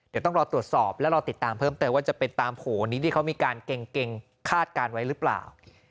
เดี๋ยวต้องรอตรวจสอบและรอติดตามเพิ่มเติมว่าจะเป็นตามโผล่นี้ที่เขามีการเก่งคาดการณ์ไว้หรือเปล่า